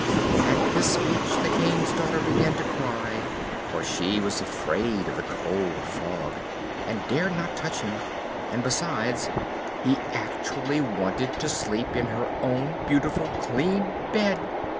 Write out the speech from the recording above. At this speech the King's daughter began to cry, for she was afraid of the cold Frog, and dared not touch him; and besides, he actually wanted to sleep in her own beautiful, clean bed.